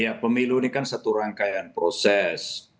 ya pemilu ini kan satu rangkaian proses